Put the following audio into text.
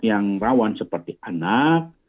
yang rawan seperti anak